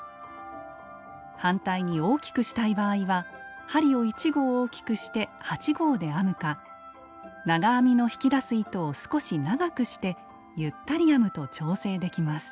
反対に大きくしたい場合は針を１号大きくして８号で編むか長編みの引き出す糸を少し長くしてゆったり編むと調整できます。